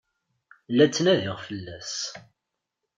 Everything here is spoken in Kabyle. La ttnadiɣ fell-as.